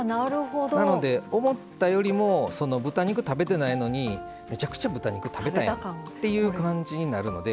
なので、思ったよりも豚肉、食べてないのにめちゃくちゃ豚肉食べたっていう感じになるので。